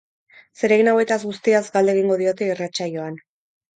Zeregin hauetaz guztiaz galde egingo diote irratsaioan.